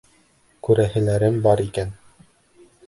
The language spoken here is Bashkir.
Күрәһеләрем бар икән!..